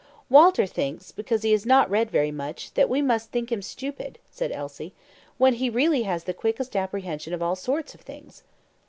"Walter thinks, because he has not read very much, that we must think him stupid," said Elsie, "when he really has the quickest apprehension of all sorts of things."